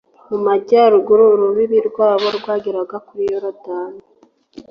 mu majyaruguru, urubibi rwabo rwageraga kuri yorudani